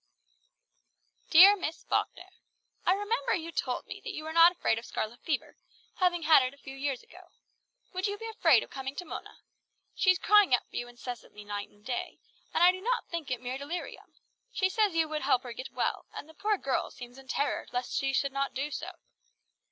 "DEAR MISS FALKNER, "I remember you told me that you were not afraid of scarlet fever, having had it a few years ago. Would you be afraid of coming to Mona? She is crying out for you incessantly day and night, and I do not think it is mere delirium. She says you would help her to get well, and the poor girl seems in terror lest she should not do so.